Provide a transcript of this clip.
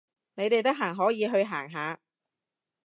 你哋得閒可以去行下